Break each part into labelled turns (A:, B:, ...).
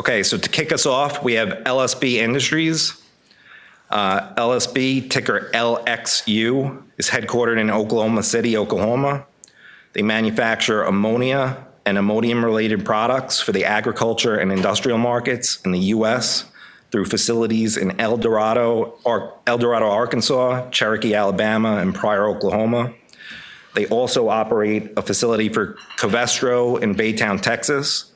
A: Okay, to kick us off, we have LSB Industries. LSB, ticker LXU, is headquartered in Oklahoma City, Oklahoma. They manufacture ammonia and ammonium-related products for the agriculture and industrial markets in the U.S. through facilities in El Dorado, Arkansas, Cherokee, Alabama, and Pryor, Oklahoma. They also operate a facility for Covestro in Baytown, Texas.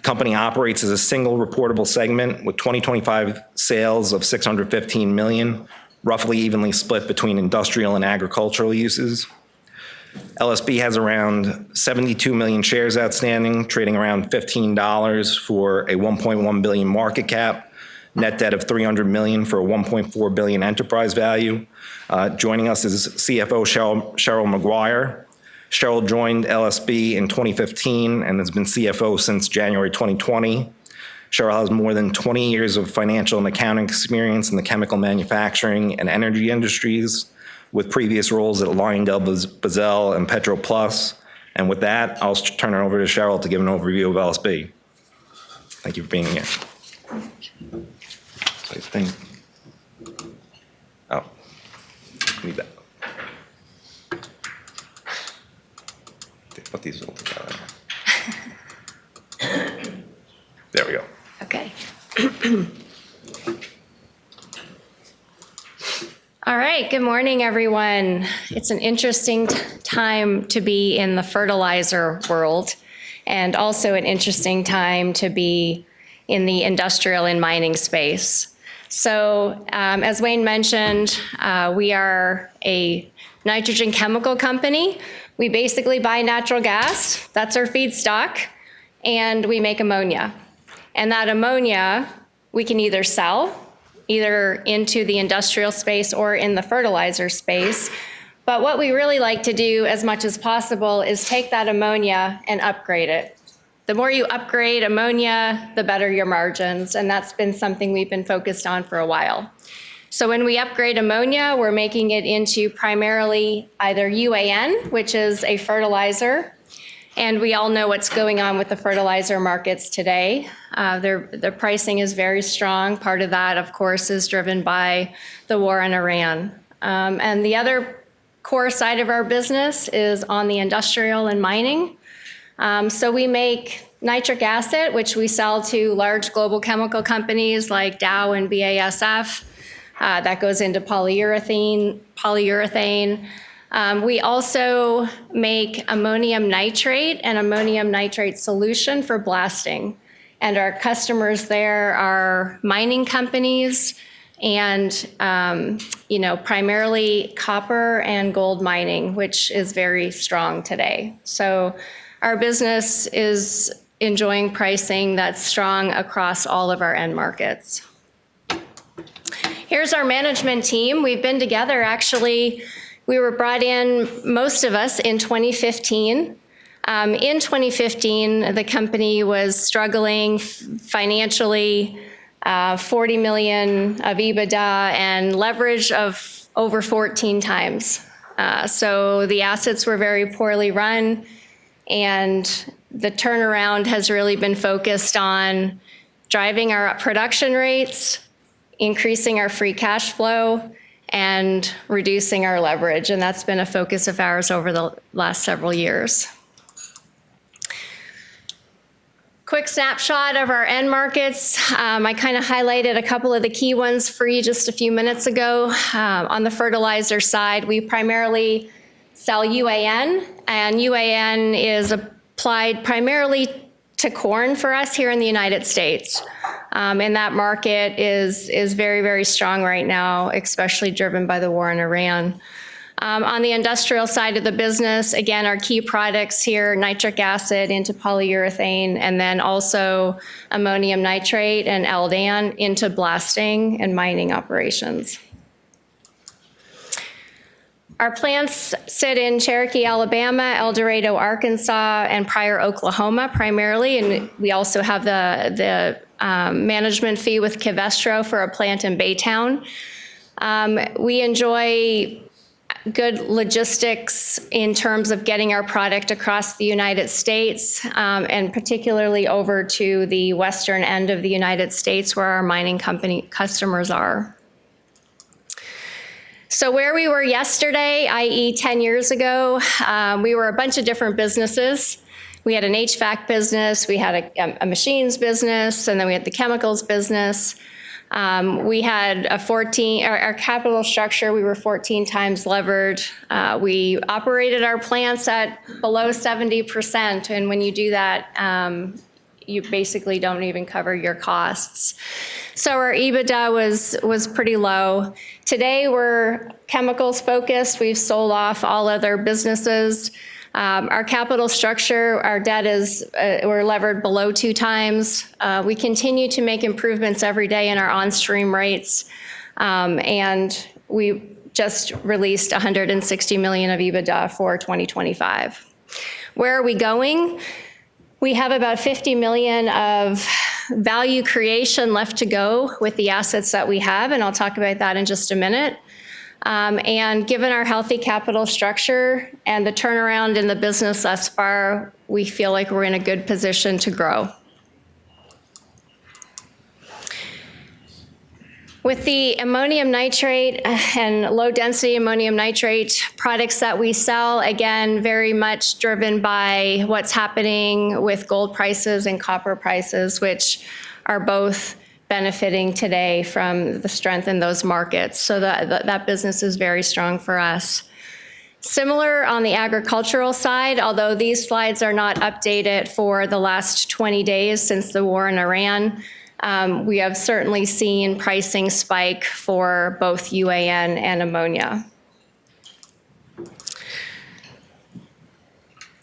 A: The company operates as a single reportable segment with 2025 sales of $615 million, roughly evenly split between industrial and agricultural uses. LSB has around 72 million shares outstanding, trading around $15 for a $1.1 billion market cap, net debt of $300 million for a $1.4 billion enterprise value. Joining us is CFO Cheryl Maguire. Cheryl joined LSB in 2015 and has been CFO since January 2020. Cheryl has more than 20 years of financial and accounting experience in the chemical manufacturing and energy industries with previous roles at LyondellBasell and Petroplus. With that, I'll just turn it over to Cheryl to give an overview of LSB. Thank you for being here.
B: Okay. All right. Good morning, everyone. It's an interesting time to be in the fertilizer world, and also an interesting time to be in the industrial and mining space. As Wayne mentioned, we are a nitrogen chemical company. We basically buy natural gas, that's our feedstock, and we make ammonia. That ammonia, we can either sell, either into the industrial space or in the fertilizer space. What we really like to do as much as possible is take that ammonia and upgrade it. The more you upgrade ammonia, the better your margins, and that's been something we've been focused on for a while. When we upgrade ammonia, we're making it into primarily either UAN, which is a fertilizer, and we all know what's going on with the fertilizer markets today. Their pricing is very strong. Part of that, of course, is driven by the war in Iran. The other core side of our business is on the industrial and mining. We make nitric acid, which we sell to large global chemical companies like Dow and BASF, that goes into polyurethane. We also make ammonium nitrate and ammonium nitrate solution for blasting. Our customers there are mining companies and, you know, primarily copper and gold mining, which is very strong today. Our business is enjoying pricing that's strong across all of our end markets. Here's our management team. We've been together, actually, we were brought in, most of us, in 2015. In 2015, the company was struggling financially, $40 million of EBITDA and leverage of over 14x. The assets were very poorly run, and the turnaround has really been focused on driving our production rates, increasing our free cash flow, and reducing our leverage. That's been a focus of ours over the last several years. Quick snapshot of our end markets. I kinda highlighted a couple of the key ones for you just a few minutes ago. On the fertilizer side, we primarily sell UAN, and UAN is applied primarily to corn for us here in the United States. That market is very, very strong right now, especially driven by the war in Iran. On the industrial side of the business, again, our key products here, nitric acid into polyurethane, and then also ammonium nitrate and LDAN into blasting and mining operations. Our plants sit in Cherokee, Alabama, El Dorado, Arkansas, and Pryor, Oklahoma, primarily. We also have the management fee with Covestro for a plant in Baytown. We enjoy good logistics in terms of getting our product across the United States, and particularly over to the western end of the United States, where our mining company customers are. Where we were yesterday, i.e., 10 years ago, we were a bunch of different businesses. We had an HVAC business, we had a machines business, and then we had the chemicals business. Our capital structure, we were 14x levered. We operated our plants at below 70%, and when you do that, you basically don't even cover your costs. Our EBITDA was pretty low. Today, we're chemicals-focused. We've sold off all other businesses. Our capital structure, our debt is, we're levered below 2x. We continue to make improvements every day in our on-stream rates, and we just released $160 million of EBITDA for 2025. Where are we going? We have about $50 million of value creation left to go with the assets that we have, and I'll talk about that in just a minute. Given our healthy capital structure and the turnaround in the business thus far, we feel like we're in a good position to grow. With the ammonium nitrate and low density ammonium nitrate products that we sell, again, very much driven by what's happening with gold prices and copper prices, which are both benefiting today from the strength in those markets. That business is very strong for us. Similar on the agricultural side, although these slides are not updated for the last 20 days since the war in Iran, we have certainly seen pricing spike for both UAN and ammonia.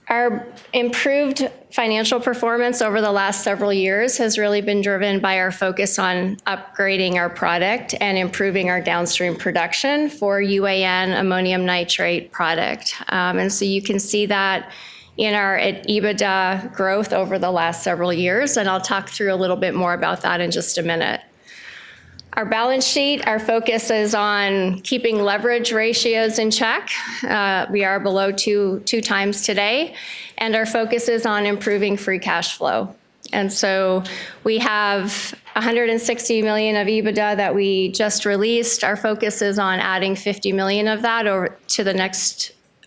B: Our improved financial performance over the last several years has really been driven by our focus on upgrading our product and improving our downstream production for UAN ammonium nitrate product. You can see that in our EBITDA growth over the last several years, and I'll talk through a little bit more about that in just a minute. Our balance sheet, our focus is on keeping leverage ratios in check. We are below 2.2x today, and our focus is on improving free cash flow. We have $160 million of EBITDA that we just released. Our focus is on adding $50 million of that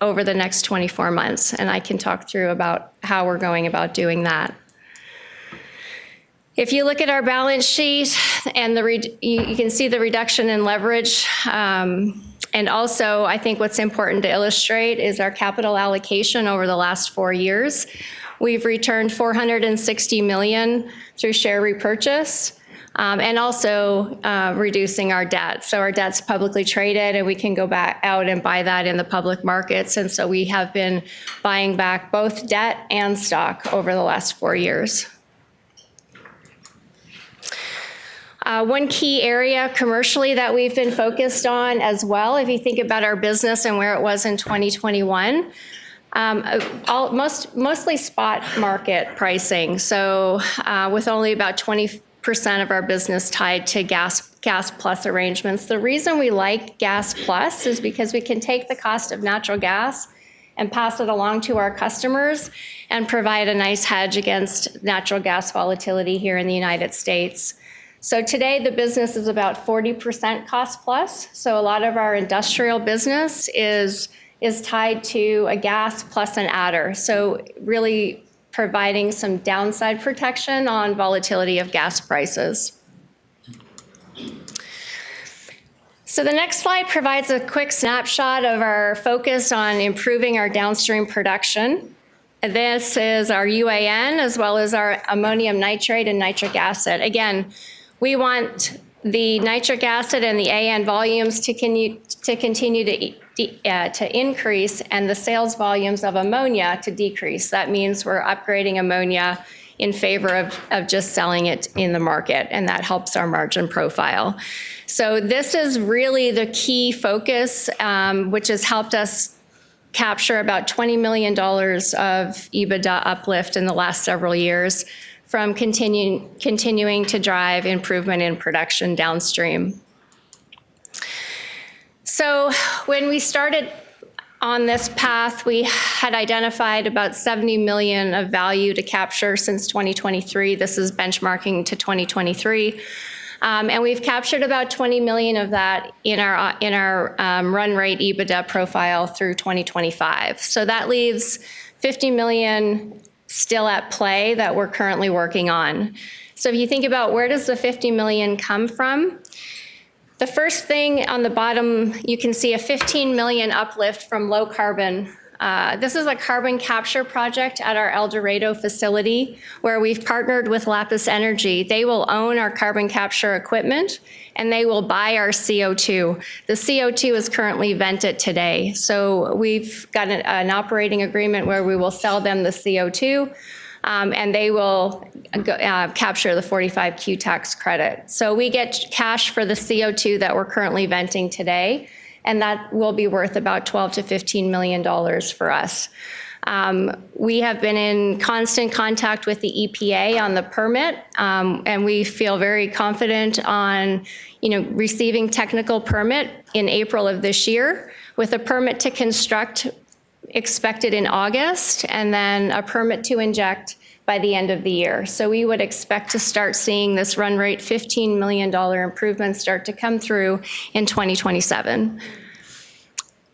B: over the next 24 months, and I can talk through about how we're going about doing that. If you look at our balance sheet and you can see the reduction in leverage, and also I think what's important to illustrate is our capital allocation over the last four years. We've returned $460 million through share repurchase, and also reducing our debt. Our debt's publicly traded, and we can go back out and buy that in the public markets. We have been buying back both debt and stock over the last 4 years. One key area commercially that we've been focused on as well, if you think about our business and where it was in 2021. Mostly spot market pricing, with only about 20% of our business tied to gas plus arrangements. The reason we like gas plus is because we can take the cost of natural gas and pass it along to our customers and provide a nice hedge against natural gas volatility here in the United States. Today, the business is about 40% cost plus, a lot of our industrial business is tied to a gas plus an adder. Really providing some downside protection on volatility of gas prices. The next slide provides a quick snapshot of our focus on improving our downstream production. This is our UAN as well as our ammonium nitrate and nitric acid. Again, we want the nitric acid and the AN volumes to continue to increase and the sales volumes of ammonia to decrease. That means we're upgrading ammonia in favor of just selling it in the market, and that helps our margin profile. This is really the key focus, which has helped us capture about $20 million of EBITDA uplift in the last several years from continuing to drive improvement in production downstream. When we started on this path, we had identified about $70 million of value to capture since 2023. This is benchmarking to 2023. We've captured about $20 million of that in our run rate EBITDA profile through 2025. That leaves $50 million still at play that we're currently working on. If you think about where does the $50 million come from, the first thing on the bottom, you can see a $15 million uplift from low carbon. This is a carbon capture project at our El Dorado facility where we've partnered with Lapis Energy. They will own our carbon capture equipment, and they will buy our CO2. The CO2 is currently vented today. We've got an operating agreement where we will sell them the CO2, and they will capture the 45Q tax credit. We get cash for the CO2 that we're currently venting today, and that will be worth about $12 million-$15 million for us. We have been in constant contact with the EPA on the permit, and we feel very confident on, you know, receiving technical permit in April of this year with a permit to construct expected in August and then a permit to inject by the end of the year. We would expect to start seeing this run rate $15 million improvement start to come through in 2027.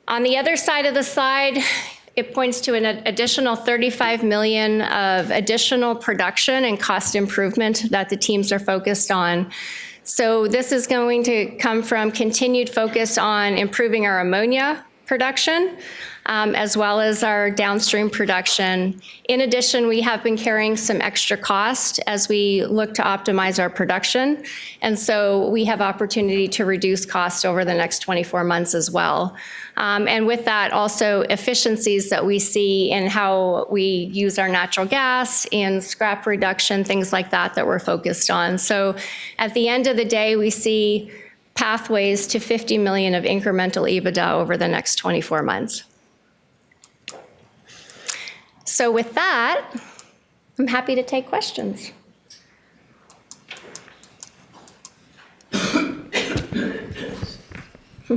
B: On the other side of the slide, it points to an additional $35 million of additional production and cost improvement that the teams are focused on. This is going to come from continued focus on improving our ammonia production, as well as our downstream production. In addition, we have been carrying some extra cost as we look to optimize our production, and we have opportunity to reduce cost over the next 24 months as well. With that, also efficiencies that we see in how we use our natural gas and scrap reduction, things like that we're focused on. At the end of the day, we see pathways to $50 million of incremental EBITDA over the next 24 months. With that, I'm happy to take questions.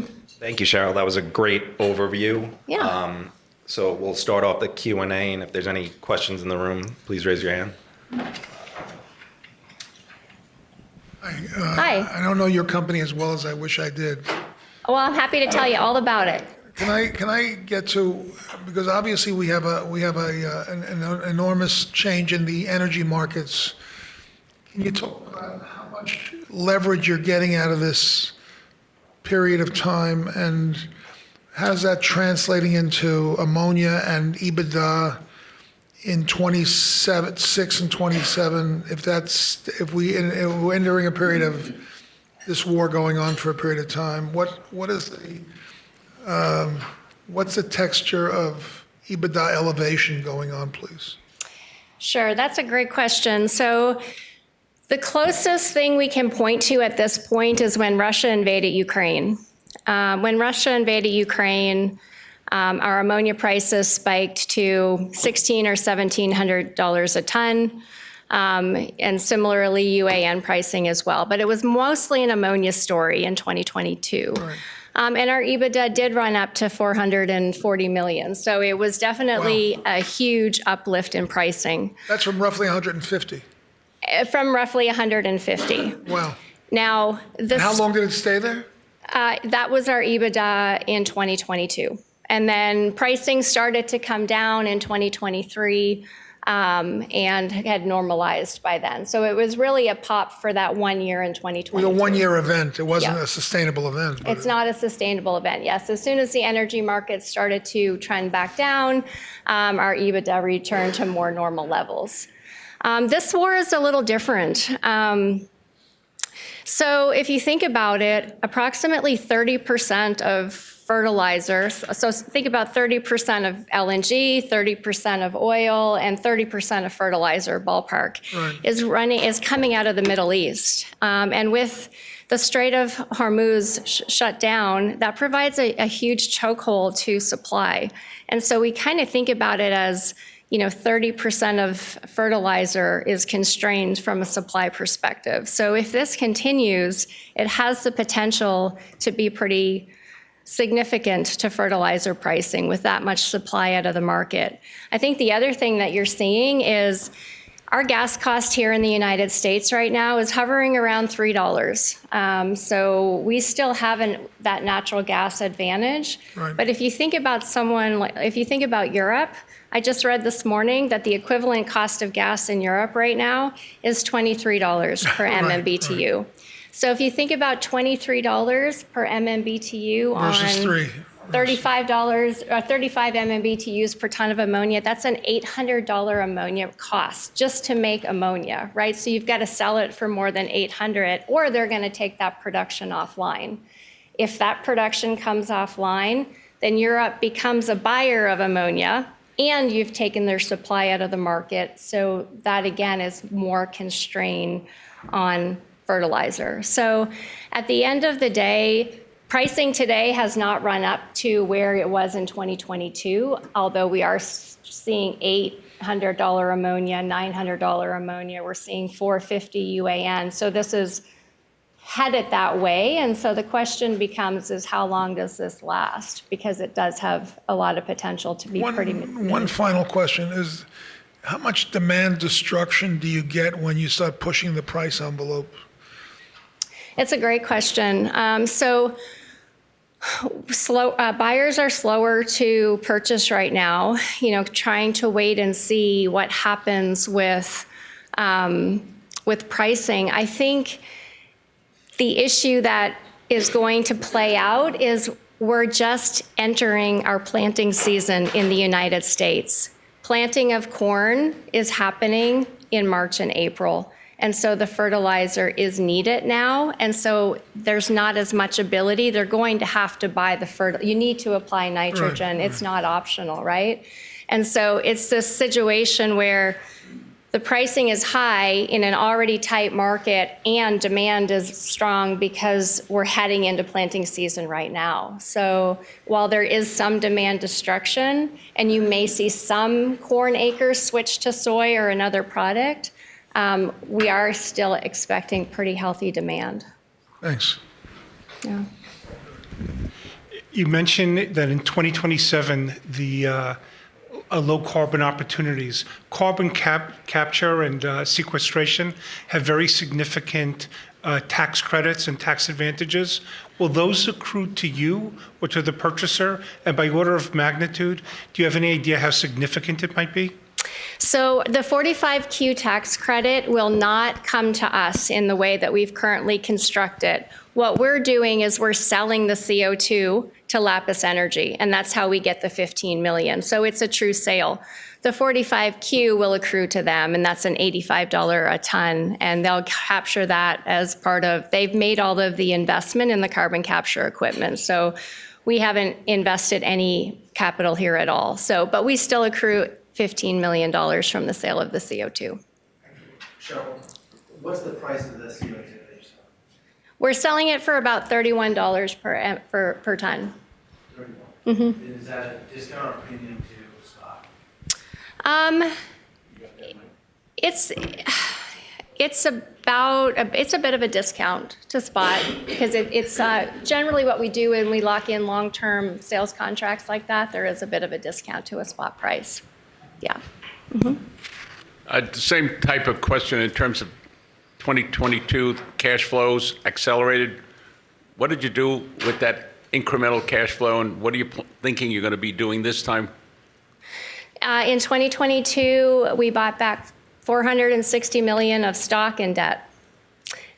A: Thank you, Cheryl. That was a great overview.
B: Yeah.
A: We'll start off the Q&A, and if there's any questions in the room, please raise your hand.
C: Hi.
B: Hi.
C: I don't know your company as well as I wish I did.
B: Well, I'm happy to tell you all about it.
C: Can I get to—because obviously we have an enormous change in the energy markets. Can you talk about how much leverage you're getting out of this period of time, and how is that translating into ammonia and EBITDA in 2026 and 2027, and we're entering a period of this war going on for a period of time, what's the texture of EBITDA elevation going on, please?
B: The closest thing we can point to at this point is when Russia invaded Ukraine. When Russia invaded Ukraine, our ammonia prices spiked to $1,600-$1,700 a ton, and similarly, UAN pricing as well. It was mostly an ammonia story in 2022.
C: Right.
B: Our EBITDA did run up to $440 million. It was definitely a huge uplift in pricing.
C: That's from roughly $150 million.
B: From roughly $150 million.
C: Wow.
B: Now, this—
C: How long did it stay there?
B: That was our EBITDA in 2022, and then pricing started to come down in 2023, and had normalized by then. It was really a pop for that one year in 2022.
C: It was a one-year event.
B: Yeah.
C: It wasn't a sustainable event.
B: It's not a sustainable event. Yes. As soon as the energy market started to trend back down, our EBITDA returned to more normal levels. This war is a little different. If you think about it, approximately 30% of fertilizer. Think about 30% of LNG, 30% of oil, and 30% of fertilizer ballpark—
C: Right.
B: Is coming out of the Middle East. With the Strait of Hormuz shut down, that provides a huge chokehold to supply. We kinda think about it as, you know, 30% of fertilizer is constrained from a supply perspective. If this continues, it has the potential to be pretty significant to fertilizer pricing with that much supply out of the market. I think the other thing that you're seeing is our gas cost here in the United States right now is hovering around $3. We still have that natural gas advantage.
C: Right.
B: If you think about Europe, I just read this morning that the equivalent cost of gas in Europe right now is $23 per MMBTU.
C: Right. Right.
B: if you think about $23 per MMBTU on-
C: Versus 3. Right.
B: $35—35 MMBTUs per ton of ammonia, that's an $800 ammonia cost just to make ammonia, right? You've gotta sell it for more than $800, or they're gonna take that production offline. If that production comes offline, then Europe becomes a buyer of ammonia, and you've taken their supply out of the market. That again is more constraint on fertilizer. At the end of the day, pricing today has not run up to where it was in 2022, although we are seeing $800 ammonia, $900 ammonia. We're seeing $450 UAN. This is headed that way, and so the question becomes is how long does this last? Because it does have a lot of potential to be pretty.
C: One final question is how much demand destruction do you get when you start pushing the price envelope?
B: It's a great question. Buyers are slower to purchase right now, you know, trying to wait and see what happens with pricing. I think the issue that is going to play out is we're just entering our planting season in the United States. Planting of corn is happening in March and April, and so the fertilizer is needed now. There's not as much ability. They're going to have to buy the fertilizer. You need to apply nitrogen. It's not optional, right? It's this situation where the pricing is high in an already tight market, and demand is strong because we're heading into planting season right now. While there is some demand destruction, and you may see some corn acres switch to soy or another product, we are still expecting pretty healthy demand.
C: Thanks.
B: Yeah.
C: You mentioned that in 2027, the low carbon opportunities, carbon capture and sequestration have very significant tax credits and tax advantages. Will those accrue to you or to the purchaser? By order of magnitude, do you have any idea how significant it might be?
B: The 45Q tax credit will not come to us in the way that we've currently constructed. What we're doing is we're selling the CO2 to Lapis Energy, and that's how we get the $15 million. It's a true sale. The 45Q will accrue to them, and that's an $85 a ton, and they'll capture that. They've made all of the investment in the carbon capture equipment. We haven't invested any capital here at all. We still accrue $15 million from the sale of the CO2.
C: Thank you.
D: Cheryl, what's the price of the CO2 that you're selling?
B: We're selling it for about $31 per ton.
D: Thirty-one?
B: Mm-hmm.
D: Is that at a discount or premium? You got that number?
B: It's a bit of a discount to spot. Generally what we do when we lock in long-term sales contracts like that, there is a bit of a discount to a spot price. Yeah.
E: The same type of question in terms of 2022 cash flows accelerated. What did you do with that incremental cash flow, and what are you thinking you're gonna be doing this time?
B: In 2022, we bought back $460 million of stock and debt.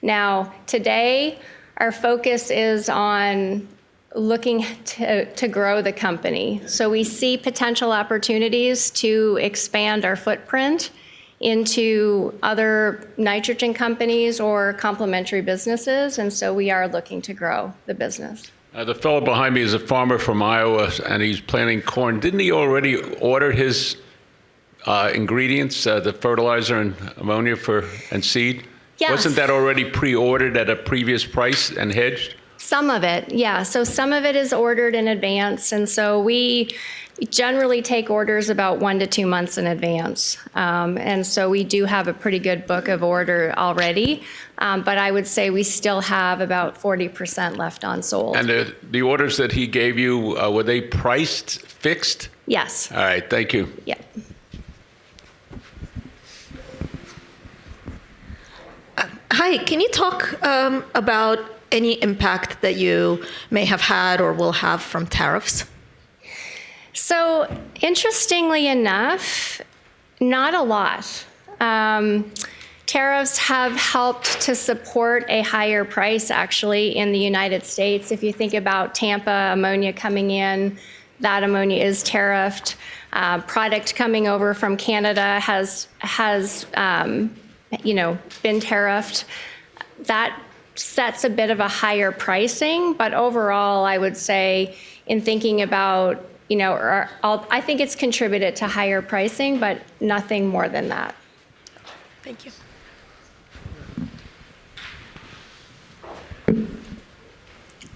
B: Now, today, our focus is on looking to grow the company. We see potential opportunities to expand our footprint into other nitrogen companies or complementary businesses, and so we are looking to grow the business.
E: The fellow behind me is a farmer from Iowa, and he's planting corn. Didn't he already order his ingredients, the fertilizer and ammonia and seed?
B: Yes.
E: Wasn't that already pre-ordered at a previous price and hedged?
B: Some of it, yeah. Some of it is ordered in advance, and so we generally take orders about one to two months in advance. We do have a pretty good book of order already. I would say we still have about 40% left unsold.
E: The orders that he gave you, were they priced fixed?
B: Yes.
E: All right. Thank you.
B: Yeah.
F: Hi. Can you talk about any impact that you may have had or will have from tariffs?
B: Interestingly enough, not a lot. Tariffs have helped to support a higher price actually in the United States. If you think about Tampa ammonia coming in, that ammonia is tariffed. Product coming over from Canada has you know been tariffed. That sets a bit of a higher pricing. Overall, I would say in thinking about, you know, I think it's contributed to higher pricing, but nothing more than that.
F: Thank you.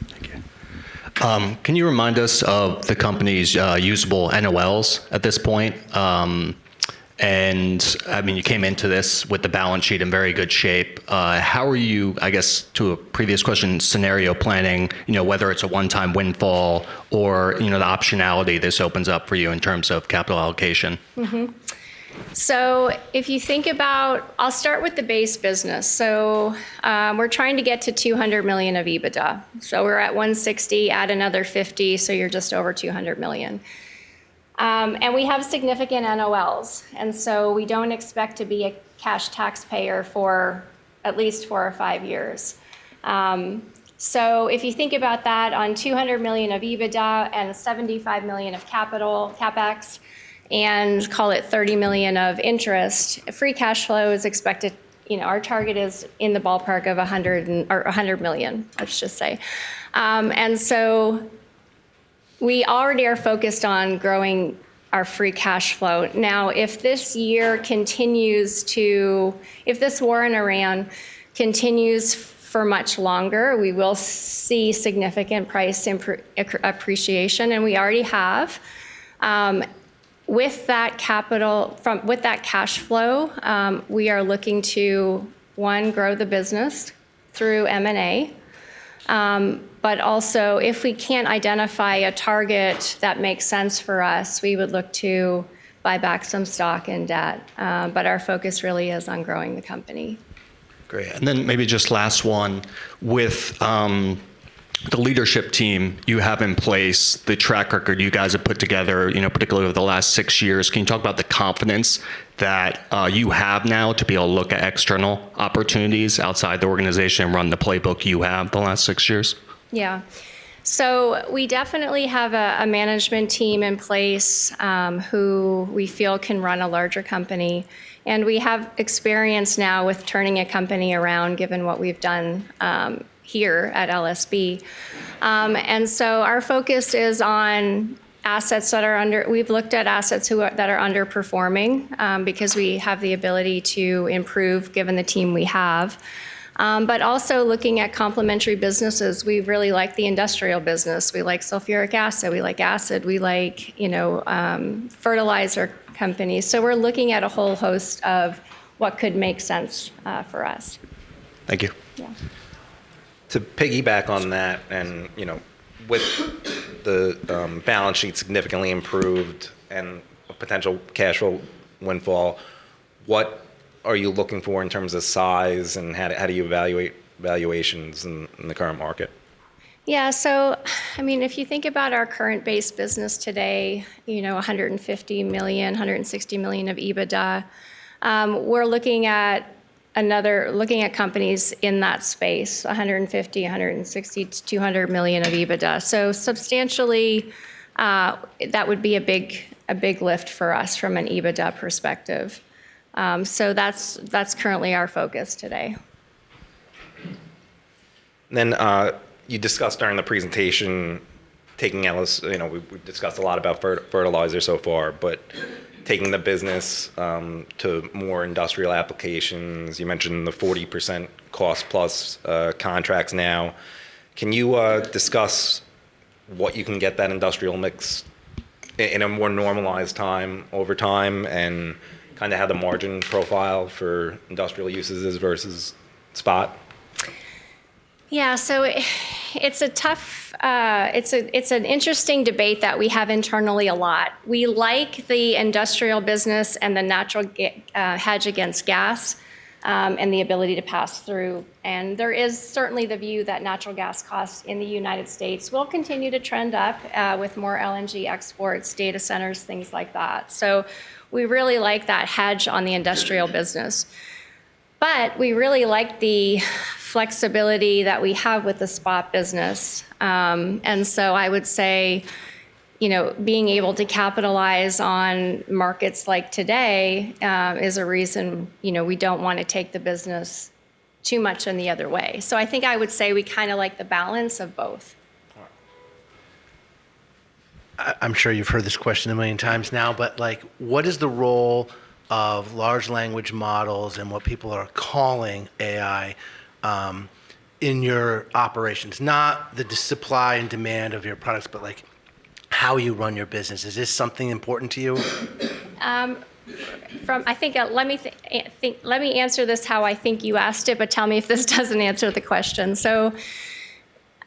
G: Thank you. Can you remind us of the company's usable NOLs at this point? I mean, you came into this with the balance sheet in very good shape. How are you, I guess, to a previous question, scenario planning, you know, whether it's a one-time windfall or, you know, the optionality this opens up for you in terms of capital allocation?
B: If you think about the base business. We're trying to get to $200 million of EBITDA. We're at $160 million, add another $50 million, so you're just over $200 million. We have significant NOLs, and we don't expect to be a cash taxpayer for at least four or five years. If you think about that on $200 million of EBITDA and $75 million of CapEx, and call it $30 million of interest, free cash flow is expected, you know, our target is in the ballpark of or $100 million, let's just say. We already are focused on growing our free cash flow. Now, if this war in Iran continues for much longer, we will see significant price appreciation, and we already have. With that cash flow, we are looking to, one, grow the business through M&A. Also if we can't identify a target that makes sense for us, we would look to buy back some stock and debt. Our focus really is on growing the company.
G: Great. Maybe just last one. With the leadership team you have in place, the track record you guys have put together, you know, particularly over the last six years, can you talk about the confidence that you have now to be able to look at external opportunities outside the organization and run the playbook you have the last six years?
B: Yeah. We definitely have a management team in place who we feel can run a larger company, and we have experience now with turning a company around given what we've done here at LSB. Our focus is on assets that are underperforming because we have the ability to improve given the team we have, also looking at complementary businesses. We really like the industrial business. We like sulfuric acid, we like nitric acid, we like, you know, fertilizer companies. We're looking at a whole host of what could make sense for us.
G: Thank you.
B: Yeah.
A: To piggyback on that and, you know, with the balance sheet significantly improved and a potential cash flow windfall, what are you looking for in terms of size, and how do you evaluate valuations in the current market?
B: Yeah. I mean, if you think about our current base business today, you know, $150 million, $160 million of EBITDA, we're looking at companies in that space, $150 million, $160 million-$200 million of EBITDA. Substantially, that would be a big lift for us from an EBITDA perspective. That's currently our focus today.
A: You discussed during the presentation. You know, we've discussed a lot about fertilizer so far. Taking the business to more industrial applications, you mentioned the 40% cost plus contracts now. Can you discuss what you can get that industrial mix in a more normalized time, over time, and kinda have the margin profile for industrial uses versus spot?
B: Yeah. It's a tough. It's an interesting debate that we have internally a lot. We like the industrial business and the natural gas hedge against gas, and the ability to pass through. There is certainly the view that natural gas costs in the United States will continue to trend up with more LNG exports, data centers, things like that. We really like that hedge on the industrial business. We really like the flexibility that we have with the spot business. I would say, you know, being able to capitalize on markets like today is a reason, you know, we don't wanna take the business too much in the other way. I think I would say we kinda like the balance of both.
A: All right.
H: I'm sure you've heard this question a million times now, but like, what is the role of large language models and what people are calling AI in your operations? Not the supply and demand of your products, but like, how you run your business. Is this something important to you?
B: Let me answer this how I think you asked it, but tell me if this doesn't answer the question.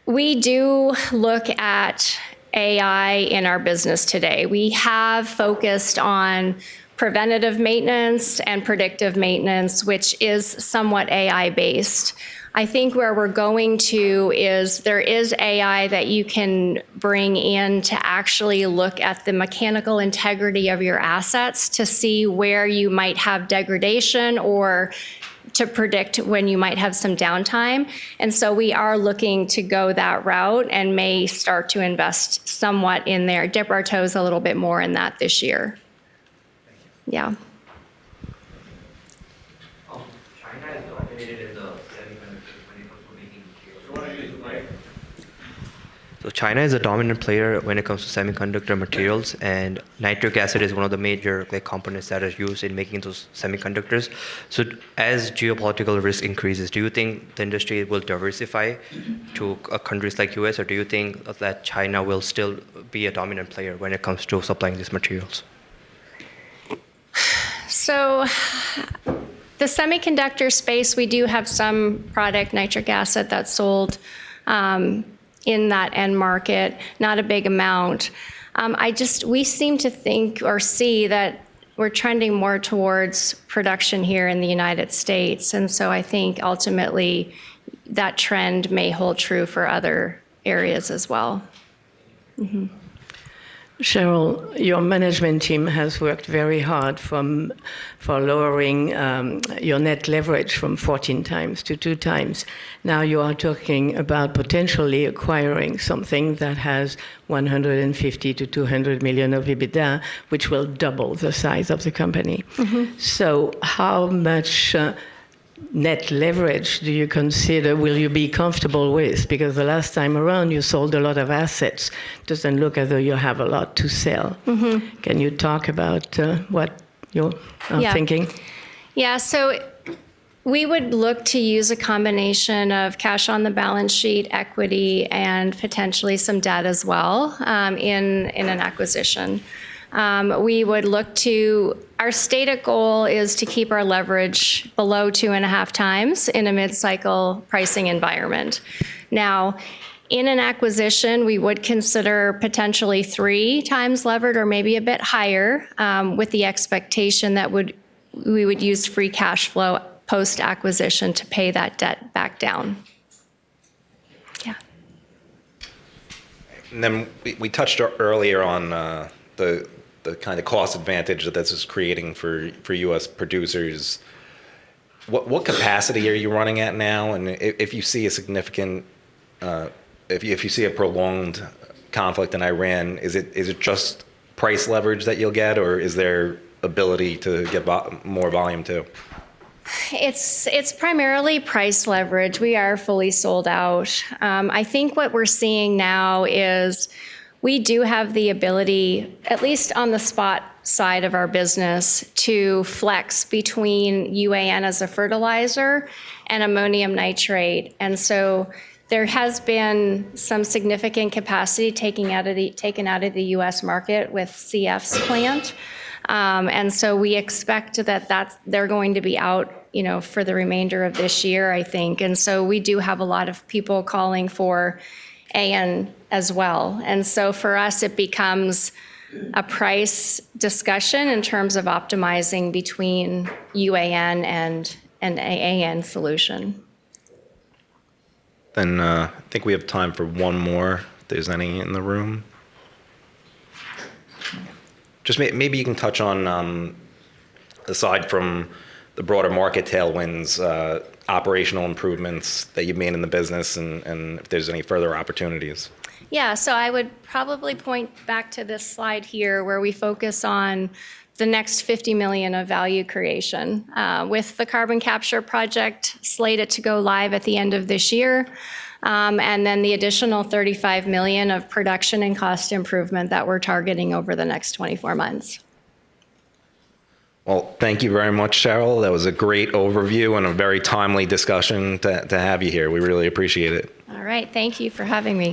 B: We do look at AI in our business today. We have focused on preventative maintenance and predictive maintenance, which is somewhat AI-based. I think where we're going to is there is AI that you can bring in to actually look at the mechanical integrity of your assets to see where you might have degradation or to predict when you might have some downtime. We are looking to go that route and may start to invest somewhat in there, dip our toes a little bit more in that this year.
H: Thank you.
B: Yeah.
I: China is a dominant player when it comes to semiconductor materials, and nitric acid is one of the major, like, components that is used in making those semiconductors. As geopolitical risk increases, do you think the industry will diversify to countries like U.S.? Or do you think that China will still be a dominant player when it comes to supplying these materials?
B: The semiconductor space, we do have some product, nitric acid, that's sold in that end market. Not a big amount. We seem to think or see that we're trending more towards production here in the United States, and so I think ultimately, that trend may hold true for other areas as well.
J: Cheryl, your management team has worked very hard for lowering your net leverage from 14x to 2x. Now you are talking about potentially acquiring something that has $150 million-$200 million of EBITDA, which will double the size of the company.
B: Mm-hmm.
J: How much net leverage do you consider will you be comfortable with? Because the last time around, you sold a lot of assets. Doesn't look as though you have a lot to sell.
B: Mm-hmm.
J: Can you talk about what you're thinking?
B: Yeah. We would look to use a combination of cash on the balance sheet, equity, and potentially some debt as well, in an acquisition. Our stated goal is to keep our leverage below 2.5x in a mid-cycle pricing environment. Now, in an acquisition, we would consider potentially 3x levered or maybe a bit higher, with the expectation that we would use free cash flow post-acquisition to pay that debt back down. Yeah.
A: We touched earlier on the kinda cost advantage that this is creating for U.S. producers. What capacity are you running at now? If you see a prolonged conflict in Iran, is it just price leverage that you'll get, or is there ability to get more volume too?
B: It's primarily price leverage. We are fully sold out. I think what we're seeing now is we do have the ability, at least on the spot side of our business, to flex between UAN as a fertilizer and ammonium nitrate. There has been some significant capacity taken out of the U.S. market with CF's plant. We expect that they're going to be out, you know, for the remainder of this year, I think. For us, it becomes a price discussion in terms of optimizing between UAN and an AN solution.
A: I think we have time for one more, if there's any in the room. Just maybe you can touch on, aside from the broader market tailwinds, operational improvements that you've made in the business and if there's any further opportunities.
B: I would probably point back to this slide here, where we focus on the next $50 million of value creation, with the carbon capture project slated to go live at the end of this year, and then the additional $35 million of production and cost improvement that we're targeting over the next 24 months.
A: Well, thank you very much, Cheryl. That was a great overview and a very timely discussion to have you here. We really appreciate it.
B: All right. Thank you for having me.